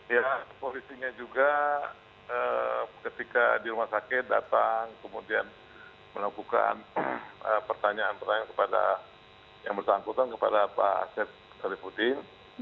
ya polisinya juga ketika di rumah sakit datang kemudian melakukan pertanyaan pertanyaan yang bertanggungkan kepada pak asyid salihbudin